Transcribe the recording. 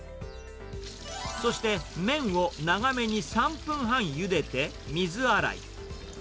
そして、麺を長めに３分半ゆでて水洗い。